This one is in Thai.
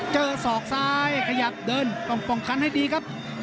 ศอกซ้ายขยับเดินต้องป้องกันให้ดีครับ